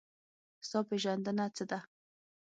ستا پېژندنه څه ده؟